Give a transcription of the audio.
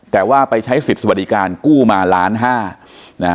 แต่ว่าไปใช้สิทธิ์สวัสดิการกู้มาล้านห้านะฮะ